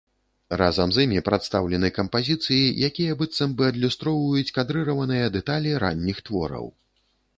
Разам з імі прадстаўлены кампазіцыі, якія быццам бы адлюстроўваюць кадрыраваныя дэталі ранніх твораў.